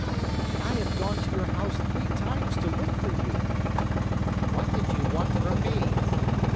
"And I have gone to your house three times to look for you!" "What did you want from me?"